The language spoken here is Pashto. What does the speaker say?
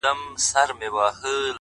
جوړ يمه گودر يم ماځيگر تر ملا تړلى يم-